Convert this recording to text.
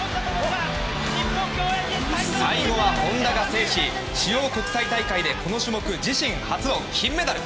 最後は本多が制し主要国際大会で、この種目自身初の金メダル！